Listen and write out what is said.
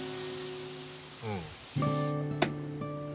うん。